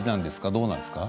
どうですか。